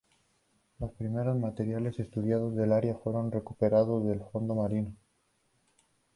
Los primeros materiales estudiados del área fueron recuperados del fondo marino.